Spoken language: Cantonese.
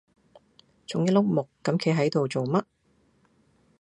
仲一碌木咁企係度做乜